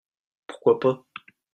Pourquoi pas ?